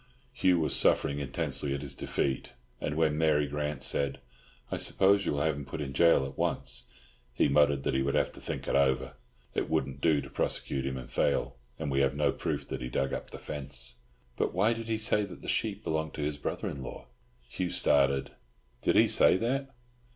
Hugh was suffering intensely at his defeat, and when Mary Grant said, "I suppose you will have him put in gaol at once?" he muttered that he would have to think it over. "It wouldn't do to prosecute him and fail, and we have no proof that he dug up the fence." "But why did he say that the sheep belonged to his brother in law?" Hugh started. "Did he say that?